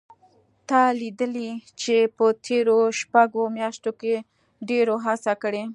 تا لیدلي چې په تېرو شپږو میاشتو کې ډېرو هڅه کړې